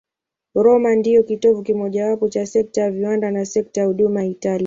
Roma ndiyo kitovu kimojawapo cha sekta ya viwanda na sekta ya huduma ya Italia.